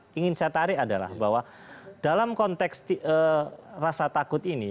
yang ingin saya tarik adalah bahwa dalam konteks rasa takut ini